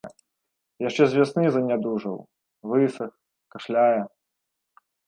Яшчэ з вясны занядужаў, высах, кашляе.